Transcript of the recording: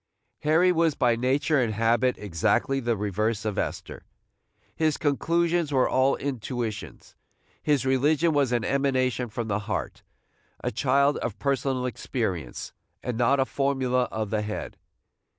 Harry was by nature and habit exactly the reverse of Esther. His conclusions were all intuitions. His religion was an emanation from the heart, a child of personal experience, and not a formula of the head.